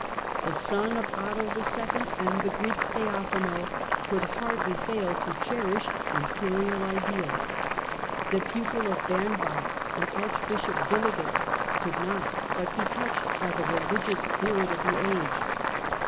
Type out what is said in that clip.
The son of Otto II. and the Greek Theophano could hardly fail to cherish imperial ideals ; the pupil of Bern ward and Archbishop Willigis could not but be touched by the religious spirit of the age.